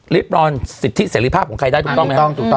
รีบร้อนสิทธิเสรีภาพของใครได้ถูกต้องไหมครับถูกต้องถูกต้อง